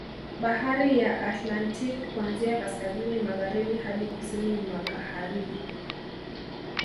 Bahari ya Atlantik kuanzia kaskazini magharibi hadi kusini magaharibi